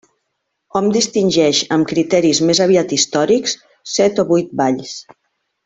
Hom distingeix, amb criteris més aviat històrics, set o vuit valls.